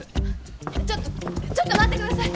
ちょっとちょっと待ってください！